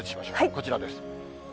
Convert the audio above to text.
こちらです。